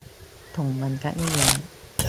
同文革一樣